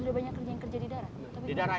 lebih banyak kerja kerja di darat